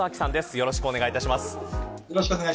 よろしくお願いします。